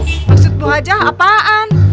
maksud bu aceh apaan